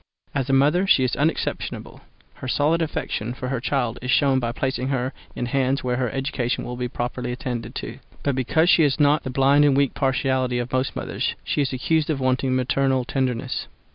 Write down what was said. As a mother she is unexceptionable; her solid affection for her child is shown by placing her in hands where her education will be properly attended to; but because she has not the blind and weak partiality of most mothers, she is accused of wanting maternal tenderness.